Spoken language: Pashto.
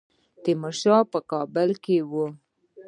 تیمورشاه په کابل کې وو.